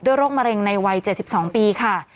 โรคมะเร็งในวัย๗๒ปีค่ะ